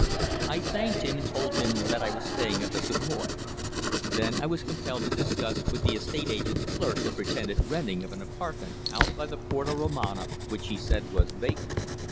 I thanked him and told him that I was staying at the Savoy. Then I was compelled to discuss with the estate agent's clerk the pretended renting of an apartment out by the Porta Romana, which, he said, was vacant.